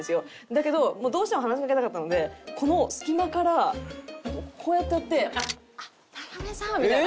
だけどもうどうしても話しかけたかったのでこの隙間からこうやってやって「あっ渡辺さん」みたいな。